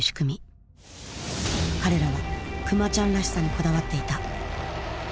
彼らはクマちゃんらしさにこだわっていた。